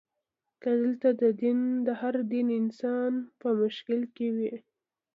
که دلته د هر دین انسان په مشکل کې وي.